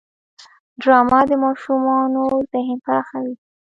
ډرامه د ماشومانو ذهن پراخوي